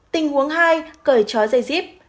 tình huống hai cởi chói dây díp